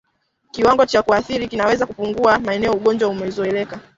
Kiwango cha kuathiri kinaweza kupungua maeneo ugonjwa umezoeleka